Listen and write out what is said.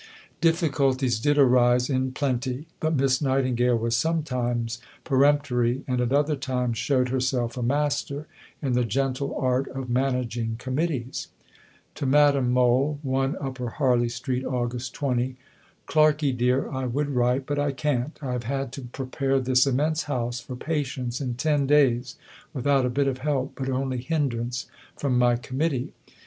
Difficulties did arise in plenty, but Miss Nightingale was sometimes peremptory, and at other times showed herself a master in the gentle art of managing committees: (To Madame Mohl.) 1 UPPER HARLEY ST., August 20.... Clarkey dear, I would write, but I can't. I have had to prepare this immense house for patients in ten days without a bit of help but only hindrance from my Committee.